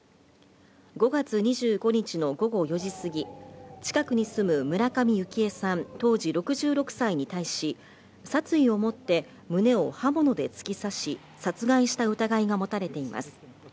５月２５日の午後４時過ぎ、近くに住む村上幸枝さん当時６６歳に対し、殺意を持って胸を刃物で突き刺し、殺害した疑いが持たれています。